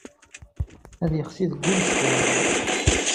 Ad yexsi deg ul ccwal.